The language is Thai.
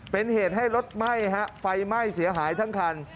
เป็นเหตุให้รถไหม้ฮะไฟไหม้เสียหายทั้งคัน